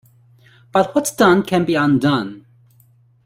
But what's done can't be undone.